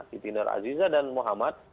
siti nur aziza dan muhammad